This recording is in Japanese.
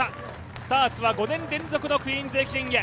スターツは５年連続の「クイーンズ駅伝」へ。